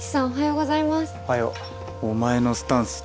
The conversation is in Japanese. おはよ。